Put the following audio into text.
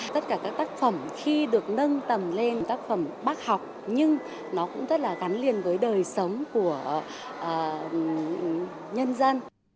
tất cả các tác phẩm khi được nâng tầm lên tác phẩm bác học nhưng nó cũng rất là gắn liền với đời sống của nhân dân